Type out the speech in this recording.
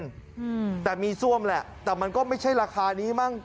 อืมแต่มีซ่วมแหละแต่มันก็ไม่ใช่ราคานี้มั้ง